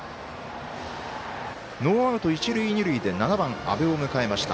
ノーアウト、一塁二塁で７番、安部を迎えました。